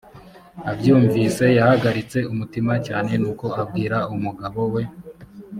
abyumvise yahagaritse umutima cyane nuko abwira umugabo we